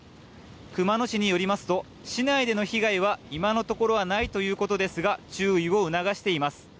熊野市によりますと市内での被害は今のところはないということですが注意を促しています。